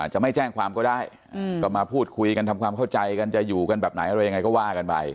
จะไม่แจ้งความก็ได้ก็มาพูดคุยกันทำความเข้าใจกันจะอยู่กันแบบไหนอะไรยังไงก็ว่ากันไป